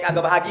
kau mau ngapain